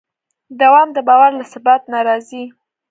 دوام د باور له ثبات نه راځي.